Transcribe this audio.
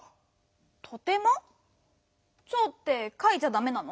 「ちょう」ってかいちゃダメなの？